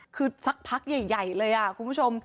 คือสักพักใหญ่เลยคุณผู้ชม